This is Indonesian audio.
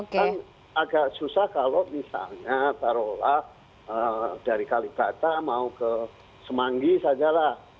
kan agak susah kalau misalnya taruhlah dari kalipata mau ke semanggi sajalah